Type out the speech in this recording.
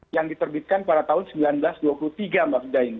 yang diterbitkan pada tahun seribu sembilan ratus dua puluh tiga mbak frida ini